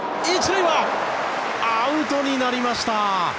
１塁はアウトになりました。